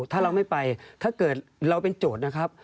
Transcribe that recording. ถ้าเราไม่ไปถ้าเกิดเราเป็นโจทย์นะครับ